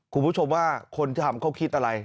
คุณผู้ชมว่าคนที่ทำเขาคิดอะไร